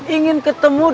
ingin ketemu dengan